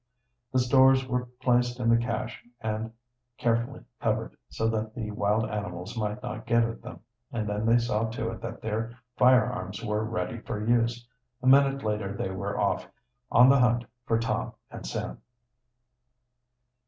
The stores were placed in the cache and carefully covered, so that the wild animals might not get at them, and then they saw to it that their firearms were ready for use. A minute later they were off, on the hunt for Tom and Sam.